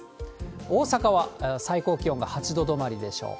大阪は最高気温が８度止まりでしょう。